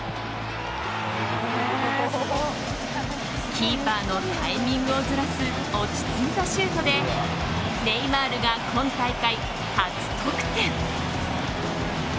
キーパーのタイミングをずらす落ち着いたシュートでネイマールが今大会初得点。